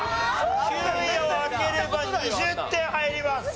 ９位を開ければ２０点入ります。